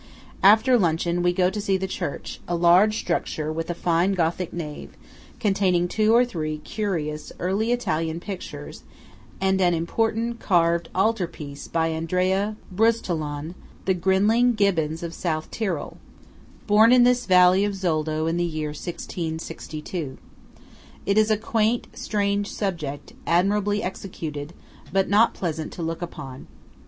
After luncheon, we go to see the church–a large structure with a fine Gothic nave, containing two or three curious early Italian pictures, and an important carved altar piece by Andrea Brusetolon, the Grinling Gibbons of South Tyrol, born in this valley of Zoldo in the year 1662. It is a quaint, strange subject, admirably executed, but not pleasant to look upon.